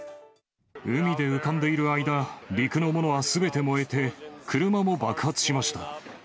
海で浮かんでいる間、陸のものはすべて燃えて、車も爆発しました。